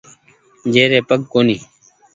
جيري پگ ڪونيٚ ۔